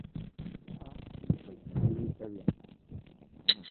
Lya emmere erimu ebiriisa byonna.